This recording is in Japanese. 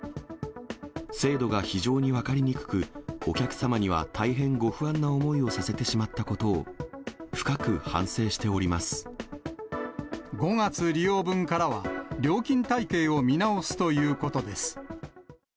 制度が非常に分かりにくく、お客様には大変ご不安な思いをさせてしまったことを、深く反省し５月利用分からは、料金体系を見直すということです。